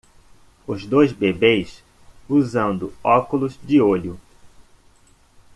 os dois bebês usando óculos de olho